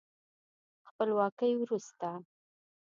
خپلواکۍ وروسته